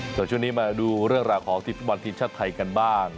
ส่วนช่วงนี้มาดูเรื่องราวของทีมฟุตบอลทีมชาติไทยกันบ้าง